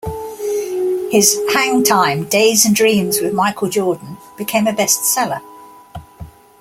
His "Hang Time: Days and Dreams with Michael Jordan" became a bestseller.